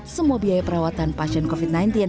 semua biaya perawatan pasien covid sembilan belas